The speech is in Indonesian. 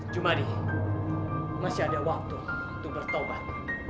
jumadi masih ada waktu untuk bertobat